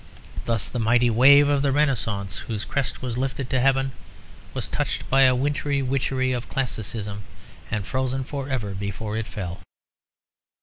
Thus the mighty wave of the Renaissance, whose crest was lifted to heaven, was touched by a wintry witchery of classicism and frozen for ever before it fell.